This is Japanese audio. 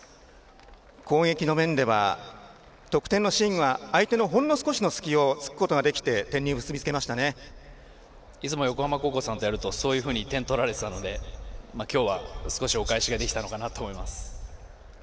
攻撃の面では得点のシーンは相手のほんの少しの隙を突くことができていつも横浜高校さんとやるとそういうふうに点を取られていたので今日は少しお返しができたのかなと思います。